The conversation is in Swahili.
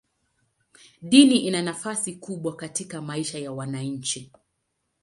Dini ina nafasi kubwa katika maisha ya wananchi.